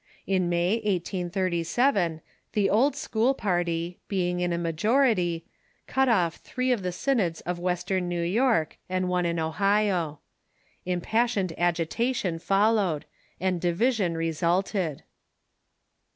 In May, 1837, the Old School party, being in a majority, cut off three of the synods of Western New York, and one in Ohio. Impassioned agitation followed, and division resulted.